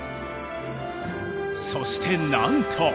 そしてなんと！